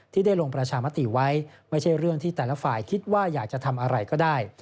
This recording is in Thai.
ที่ได้ลงประชามติไว้ไม่ใช่เรื่องที่แต่ละฝ่ายคิดว่าอยากจะทำอะไรก็ได้